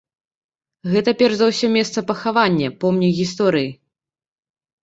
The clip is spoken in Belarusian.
Гэта перш за ўсё месца пахавання, помнік гісторыі.